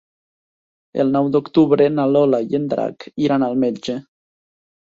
El nou d'octubre na Lola i en Drac iran al metge.